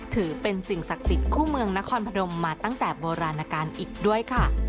ถือเป็นสิ่งศักดิ์สิทธิ์คู่เมืองนครพนมมาตั้งแต่โบราณการอีกด้วยค่ะ